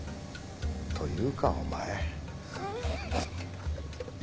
というかお前フッ。